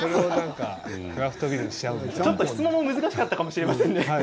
ちょっと質問が難しかったかもしれませんね。